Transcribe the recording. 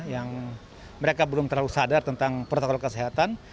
yang mereka belum terlalu sadar tentang protokol kesehatan